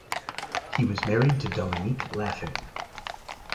He was married to Dominique Laffin.